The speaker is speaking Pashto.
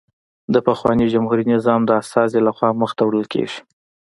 د پخواني جمهوري نظام د استازي له خوا مخته وړل کېږي